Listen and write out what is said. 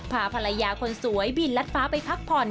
พาภรรยาคนสวยบินลัดฟ้าไปพักผ่อน